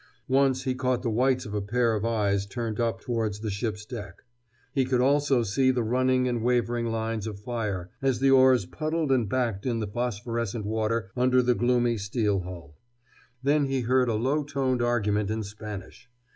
Once he caught the whites of a pair of eyes turned up towards the ship's deck. He could also see the running and wavering lines of fire as the oars puddled and backed in the phosphorescent water under the gloomy steel hull. Then he heard a low toned argument in Spanish.